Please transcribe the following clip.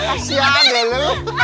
kasihan ya lo